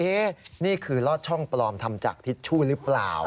นี่คือลอดช่องปลอมทำจากทิชชู่หรือเปล่า